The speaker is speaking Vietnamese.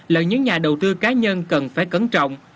là những nhà đầu tư cá nhân cần phải cẩn trọng